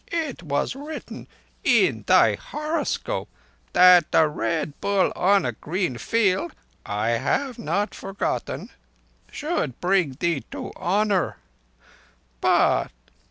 It was written in thy horoscope that a Red Bull on a green field—I have not forgotten—should bring thee to honour.